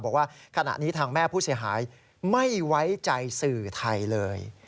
บอกว่าขณะนี้ทางแม่ผู้เสียหายไม่ไว้ใจสื่อไทยเลย